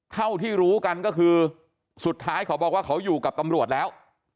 เท่าที่รู้กันก็คือสุดท้ายเขาบอกว่าเขาอยู่กับตำรวจแล้ว